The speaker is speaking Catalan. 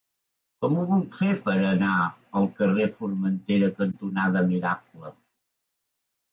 Com ho puc fer per anar al carrer Formentera cantonada Miracle?